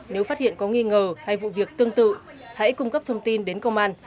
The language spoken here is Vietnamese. nếu phát hiện có nghi ngờ hay vụ việc tương tự hãy cung cấp thông tin đến công an